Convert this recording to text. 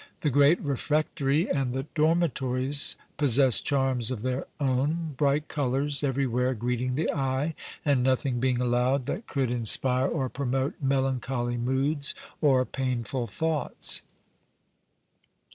The great refectory and the dormitories possessed charms of their own, bright colors everywhere greeting the eye and nothing being allowed that could inspire or promote melancholy moods or painful thoughts.